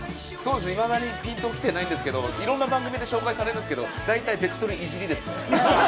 いまだにピンときてないんですけど、いろんな番組で紹介されるんですけど、だいたいベクトルいじりですね。